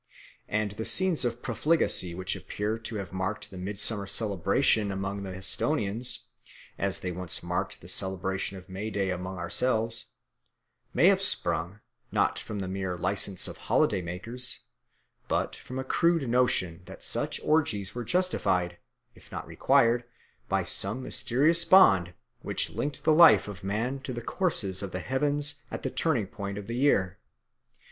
And the scenes of profligacy which appear to have marked the midsummer celebration among the Esthonians, as they once marked the celebration of May Day among ourselves, may have sprung, not from the mere licence of holiday makers, but from a crude notion that such orgies were justified, if not required, by some mysterious bond which linked the life of man to the courses of the heavens at this turning point of the year.